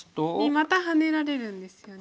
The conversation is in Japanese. またハネられるんですよね。